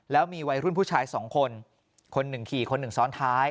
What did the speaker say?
แล้วมีวัยรุ่นผู้ชายสองคนคนหนึ่งขี่คนหนึ่งซ้อนท้าย